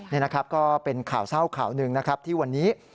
นี่นะครับก็เป็นข่าวเศร้าข่าวหนึ่งนะครับที่วันนี้